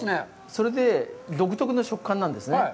それで、独特の食感なんですね。